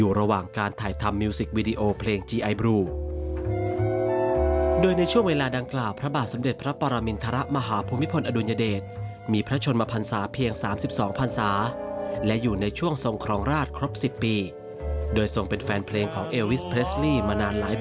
อุตสาหกรรมบันเทิงโลกมากมาย